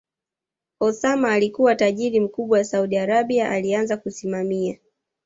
Osama alikua tajiri mkubwa Saudi Arabia alianza kusimamia